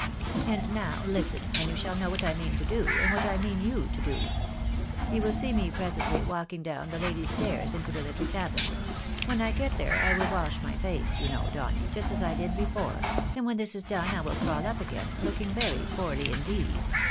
And now listen, and you shall know what I mean to do, and what I mean you to do. You will see me presently walking down the ladies' stairs into the httle cabin ; when I get there I will wash my face, you know, Donny, just as I did before, and when this is done I will crawl up again, looking very poorly indeed.